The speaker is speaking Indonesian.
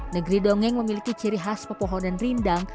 negeri dongeng memiliki ciri khas pepohonan rindang